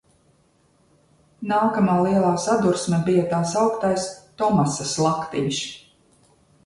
"Nākamā lielā sadursme bija tā sauktais "Tomasa slaktiņš"."